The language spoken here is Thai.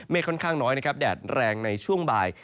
เมฆค่อนข้างน้อยแดดแรงในช่วงบ่าย